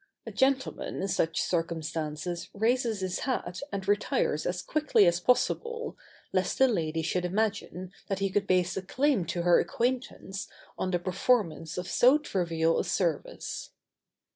A gentleman in such circumstances raises his hat and retires as quickly as possible, lest the lady should imagine that he could base a claim to her acquaintance on the performance of so trivial a service.